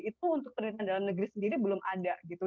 itu untuk penelitian dalam negeri sendiri belum ada gitu